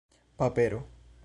papero